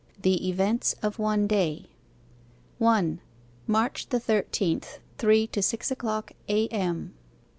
THE EVENTS OF ONE DAY 1. MARCH THE THIRTEENTH. THREE TO SIX O'CLOCK A.M.